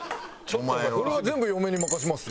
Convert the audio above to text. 俺は全部嫁に任せますよ。